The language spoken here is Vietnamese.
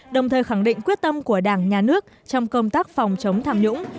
đồng thời khẳng định quyết tâm của đảng nhà nước trong công tác phòng chống tham nhũng